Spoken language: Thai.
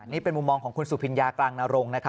นี่เป็นมุมมองของคุณสุพิญญากลางนรงค์